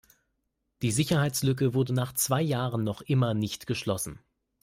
Die Sicherheitslücke wurde nach zwei Jahren noch immer nicht geschlossen.